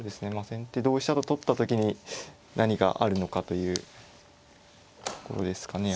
先手同飛車と取った時に何があるのかというところですかね。